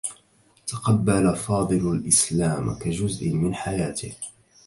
تقبّل فاضل الإسلام كجزء من حياته.